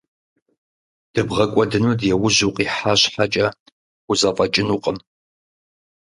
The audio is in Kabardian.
ДыбгъэкӀуэдыну ди ужь укъыхьа щхькӀэ пхузэфӏэкӏынукъым.